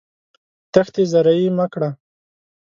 دښتې زرعي مه کړه.